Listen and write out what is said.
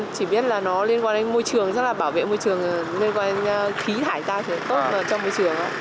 chỉ biết là nó liên quan đến môi trường rất là bảo vệ môi trường liên quan đến khí thải tạo rất là tốt trong môi trường